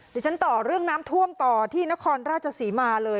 เดี๋ยวฉันต่อเรื่องน้ำท่วมต่อที่นครราชศรีมาเลย